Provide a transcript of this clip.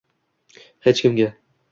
hech kimga